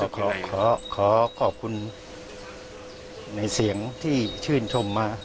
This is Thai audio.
ขอขอบคุณในเสียงที่ชื่นชมมา